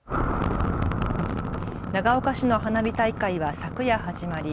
長岡市の花火大会は昨夜始まり